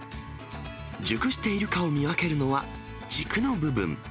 熟しているかを見分けるのは、軸の部分。